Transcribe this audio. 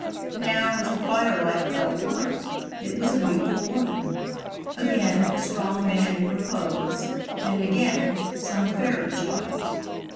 Now, as the firelight fell upon it, it was a beautiful woman; again a strong man in repose, and again, some fairy child.